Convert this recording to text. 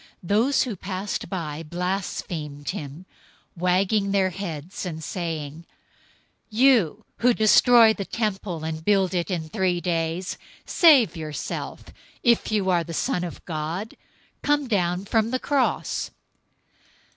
027:039 Those who passed by blasphemed him, wagging their heads, 027:040 and saying, "You who destroy the temple, and build it in three days, save yourself! If you are the Son of God, come down from the cross!"